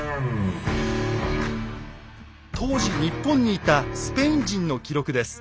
当時日本にいたスペイン人の記録です。